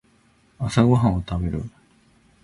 朝ごはんを食べる